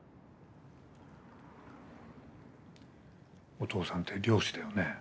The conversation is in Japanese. お父さんって漁師だよね？